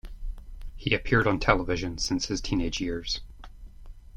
He appeared on television since his teenage years.